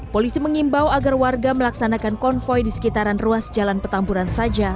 polisi mengimbau agar warga melaksanakan konvoy di sekitaran ruas jalan petamburan saja